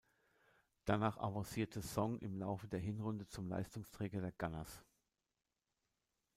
Danach avancierte Song im Laufe der Hinrunde zum Leistungsträger der Gunners.